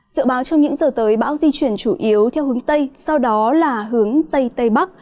dự báo trong những giờ tới bão di chuyển chủ yếu theo hướng tây sau đó là hướng tây tây bắc